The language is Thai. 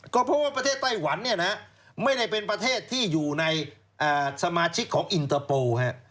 ก็เพราะว่าประเทศไต้หวันเนี่ยนะไม่ได้เป็นประเทศที่อยู่ในสมาชิกของอินเตอร์โปร์